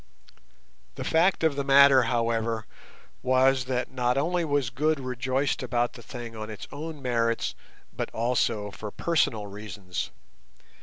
The fact of the matter, however, was that not only was Good rejoiced about the thing on its own merits but also for personal reasons.